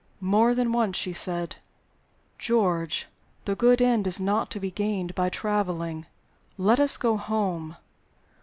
More than once she said: "George, the good end is not to be gained by traveling; let us go home."